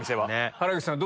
原口さん